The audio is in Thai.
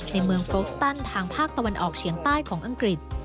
ในเมืองโฟกสตันทางภาคตะวันออกเฉียงใต้ของอังกฤษ